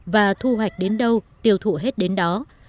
và thu hoạch đến đâu tiêu thụ hết đến đó